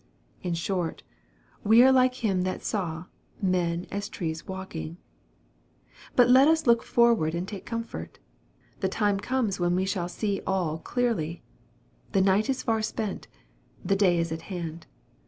In short, we are like him that saw " men as trees walking/' But let us look forward and take comfort. The time comes when we shall see all " clearly." The night is far spent. The day is at hand.